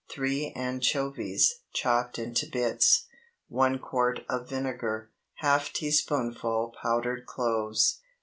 3 anchovies chopped into bits. 1 quart of vinegar. Half teaspoonful powdered cloves.